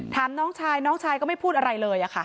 น้องชายน้องชายก็ไม่พูดอะไรเลยค่ะ